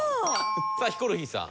さあヒコロヒーさん。